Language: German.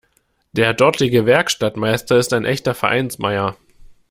Der dortige Werkstattmeister ist ein echter Vereinsmeier.